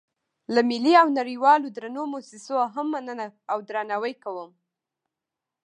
له ملي او نړیوالو درنو موسسو هم مننه او درناوی کوم.